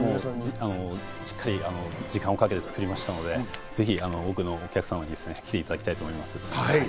しっかり時間を掛けて作りましたので、ぜひ多くのお客様に来ていただきたいと思います。